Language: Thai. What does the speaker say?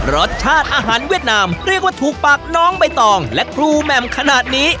รสชาติอาหารเวียดนามเรียกว่าถูกปากน้องใบตองและครูแหม่มขนาดนี้